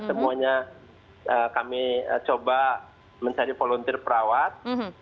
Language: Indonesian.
semuanya kami coba mencari volunteer perawat